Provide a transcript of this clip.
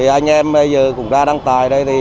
anh em bây giờ cũng ra đăng tải đây